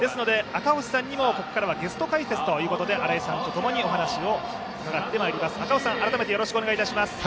赤星さんにも、ここからはゲスト解説ということで、新井さんと共にお話をうかがっていきます。